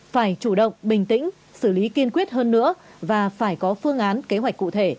phải chủ động bình tĩnh xử lý kiên quyết hơn nữa và phải có phương án kế hoạch cụ thể